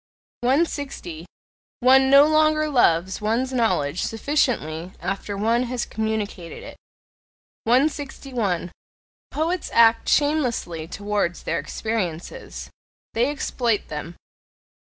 160. One no longer loves one's knowledge sufficiently after one has communicated it. 161. Poets act shamelessly towards their experiences: they exploit them.